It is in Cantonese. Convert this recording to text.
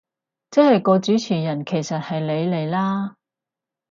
即係個主持人其實係你嚟啦